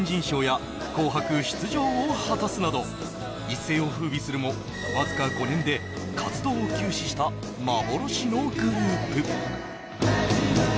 レコード大賞最優秀新人賞や「紅白」出場を果たすなど、一世をふうびするも、僅か５年で活動を休止した幻のグループ。